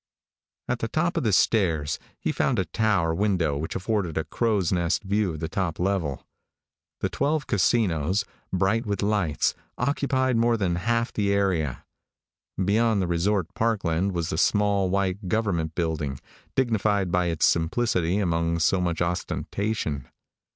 At the top of the stairs he found a tower window which afforded a crow's nest view of the top level. The twelve casinos, bright with lights, occupied more than half the area. Beyond the resort parkland was the small, white government building, dignified by its simplicity among so much ostentation.